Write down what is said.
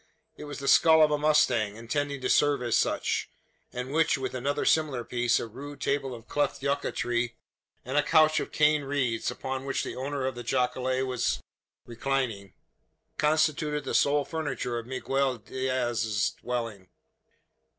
It was the skull of a mustang, intended to serve as such; and which, with another similar piece, a rude table of cleft yucca tree, and a couch of cane reeds, upon which the owner of the jacale was reclining, constituted the sole furniture of Miguel Diaz's dwelling.